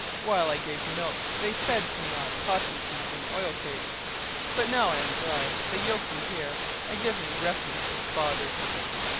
While I gave milk they fed me on cottonseed and oil cake, but now I am dry they yoke me here, and give me refuse as fodder!"